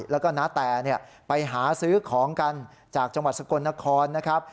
แล้วก็น้าแต่ไปหาซื้อของกันจากจังหวัดสกลนครนะครับ